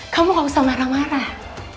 kamu gak usah marah marah